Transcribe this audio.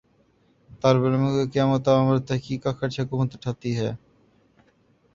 طالب علموں کا قیام و طعام اور تحقیق کا خرچ حکومت اٹھاتی ہے